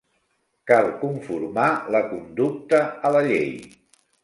Cal conformar la conducta a la llei.